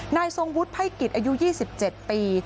นายทรงวุฒิไภกิจอายุ๒๗ปี